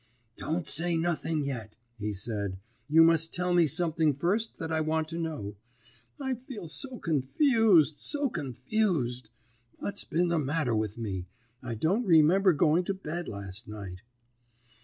"'Don't say nothing yet,' he said. 'You must tell me something first that I want to know. I feel so confused so confused! What's been the matter with me? I don't remember going to bed last night.'